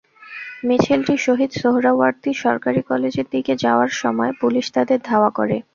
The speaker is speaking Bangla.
মিছিলটি শহীদ সোহরাওয়ার্দী সরকারি কলেজের দিকে যাওয়ার সময় পুলিশ তাদের ধাওয়া করে।